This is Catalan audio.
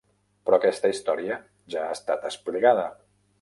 Però aquesta història ja ha estat explicada.